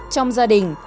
trong gia đình